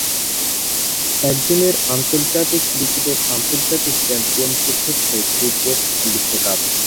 একদিনের আন্তর্জাতিক ক্রিকেটের আন্তর্জাতিক চ্যাম্পিয়নশীপ হচ্ছে ক্রিকেট বিশ্বকাপ।